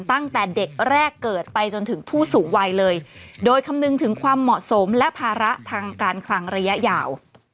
ตั้งแต่เด็กแรกเกิดไปจนถึงผู้สูงวัยเลยโดยคำนึงถึงความเหมาะสมและภาระทางการคลังระยะยาว